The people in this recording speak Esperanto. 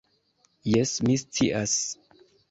"Jes, mi scias."